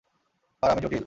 আর আমি জটিল।